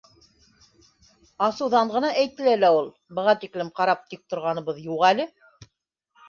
— Асыуҙан ғына әйтелә лә ул. Быға тиклем ҡарап тик торғаныбыҙ юҡ әле.